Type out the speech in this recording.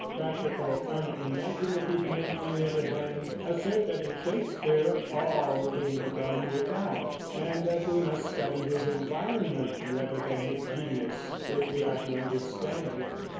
Practical, unimaginative men, on the other hand, assert that in Shakespeare "all came from without," and that we must study his environment rather than his genius, if we are to understand him.